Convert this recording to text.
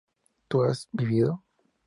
¿tú has vivido?